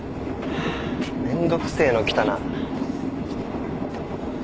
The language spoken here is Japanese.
めんどくせえの来たな。